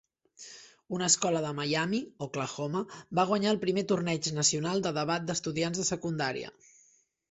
Una escola de Miami, Oklahoma, va guanyar el primer torneig nacional de debat d'estudiants de secundària.